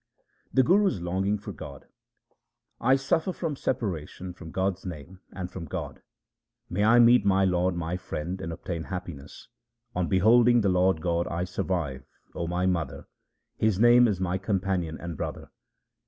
The Guru's longing for God :— 1 suffer from separation from God's name and from God. May I meet my Lord, my Friend, and obtain happiness ! On beholding the Lord God I survive, O my mother, His name is my companion and brother.